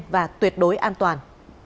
và tuyệt đối an toàn